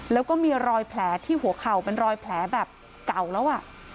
แล้วก็มีรอยแผลที่หัวเข่าเป็นรอยแผลแบบเก่าแล้วอ่ะ